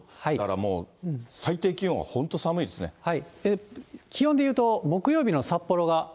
だからもう、最低気温、本当寒い気温で言うと、木曜日の札幌が。